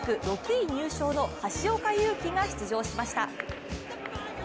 ６位入賞の橋岡優輝が出場しました。